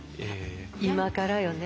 今からよね。